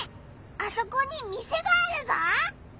あそこに店があるぞ！